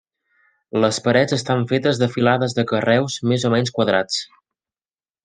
Les parets estan fetes de filades de carreus més o menys quadrats.